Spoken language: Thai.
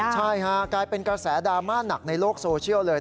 ใช่ฮะกลายเป็นกระแสดราม่าหนักในโลกโซเชียลเลย